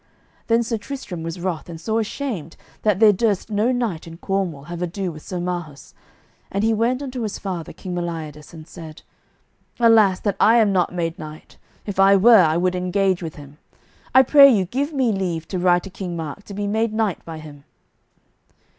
Then Sir Tristram was wroth and sore ashamed that there durst no knight in Cornwall have ado with Sir Marhaus, and he went unto his father, King Meliodas, and said: "Alas, that I am not made knight; if I were, I would engage with him. I pray you give me leave to ride to King Mark to be made knight by him."